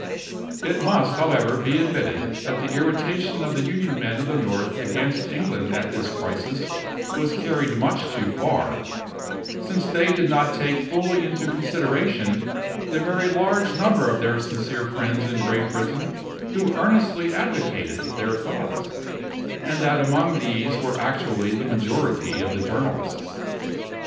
It must, however, be admitted that the irritation of the Union men of the North against England at this crisis was carried much too far, since they did not take fully into consideration the very large number of their sincere friends in Great Britain who earnestly advocated their cause, and that among these were actually the majority of the journalists.